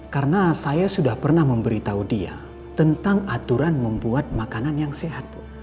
karena saya sudah pernah memberitahu dia tentang aturan membuat makanan yang sehat bu